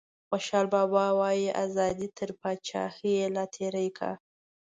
خوشحال بابا وايي ازادي تر پاچاهیه لا تیری کا.